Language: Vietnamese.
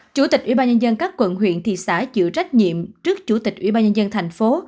chủ tịch ủy ban nhân dân các quận huyện thị xã chịu trách nhiệm trước chủ tịch ủy ban nhân dân thành phố